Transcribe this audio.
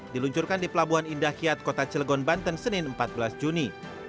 diluncurkan di pelabuhan indah kiat kota cilegon banten senin empat belas juni